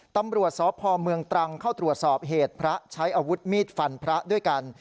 ตำรวจสพเมืองตรังเข้าตรวจสอบเหตุพระใช้อาวุธมีดฟันพระด้วยกัน